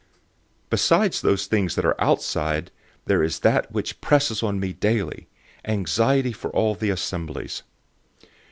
011:028 Besides those things that are outside, there is that which presses on me daily, anxiety for all the assemblies.